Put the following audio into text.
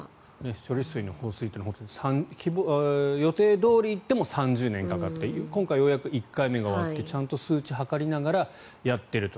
処理水の放出というのは予定どおりいっても３０年かかって今回ようやく１回目が終わってちゃんと数値を測りながらやっていると。